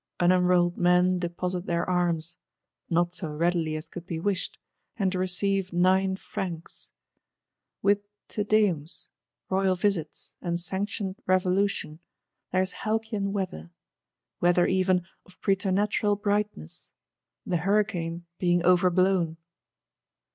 Unenrolled men deposit their arms,—not so readily as could be wished; and receive "nine francs." With Te Deums, Royal Visits, and sanctioned Revolution, there is halcyon weather; weather even of preternatural brightness; the hurricane being overblown.